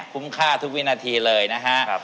คุ้มค่าทุกวินาทีเลยนะฮะ